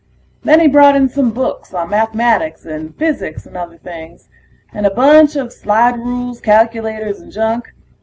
Then he brought in some books on mathematics and physics and other things, and a bunch of slide rules, calculators, and junk.